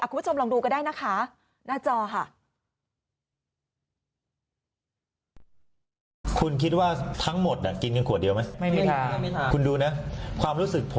คุณผู้ชมลองดูก็ได้นะคะหน้าจอค่ะ